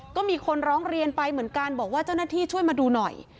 ก็มีคนร้องเรียนไปเหมือนกันบอกว่าเจ้าหน้าที่ช่วยมาดูหน่อย